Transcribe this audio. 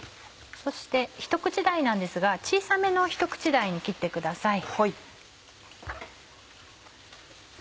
そしてひと口大なんですが小さめのひと口大に切ってください。